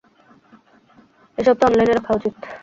এসব তো অনলাইনে রাখা উচিত।